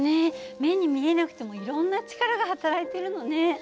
目に見えなくてもいろんな力がはたらいてるのね。